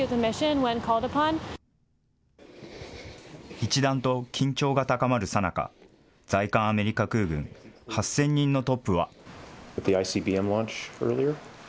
一段と緊張が高まるさなか、在韓アメリカ空軍８０００人のトップは。